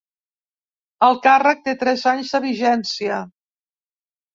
El càrrec té tres anys de vigència.